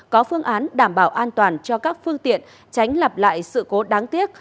có phương án đảm bảo an toàn cho các phương tiện tránh lặp lại sự cố đáng tiếc